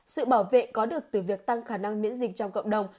sự bảo vệ có được từ việc tăng khả năng miễn dịch trong cộng đồng